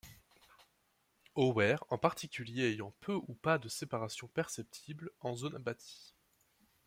Ower en particulier ayant peu ou pas de séparation perceptible en zone bâtie.